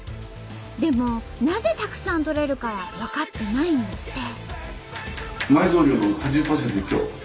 でもなぜたくさん採れるかは分かってないんだって。